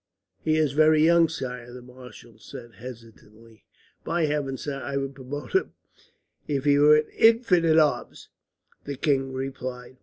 "He is very young, sire," the marshal said hesitatingly. "By Heaven, sir, I would promote him if he were an infant in arms!" the king replied.